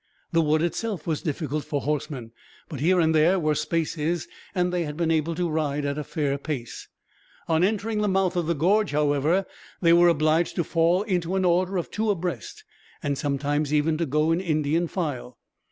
The wood itself was difficult for horsemen, but here and there were spaces, and they had been able to ride at a fair pace. On entering the mouth of the gorge, however, they were obliged to fall into an order of two abreast, and sometimes even to go in Indian file.